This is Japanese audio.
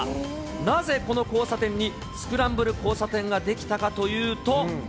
なぜこの交差点に、スクランブル交差点が出来たかというと。